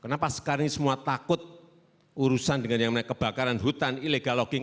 kenapa sekarang ini semua takut urusan dengan yang namanya kebakaran hutan illegal logging